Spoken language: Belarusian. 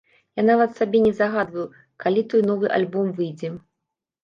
Я нават сабе не загадваю, калі той новы альбом выйдзе.